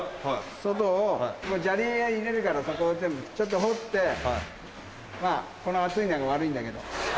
外を砂利を入れるから、そこを全部ちょっと掘って、まあ、この暑い中悪いんだけど。